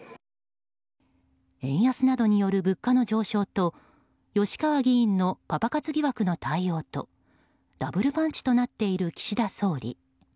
円安などによる物価の上昇と吉川議員のパパ活疑惑の対応とダブルパンチとなっている岸田総理。